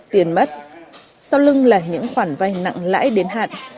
tiền mất sau lưng là những khoản vay nặng lãi đến hạn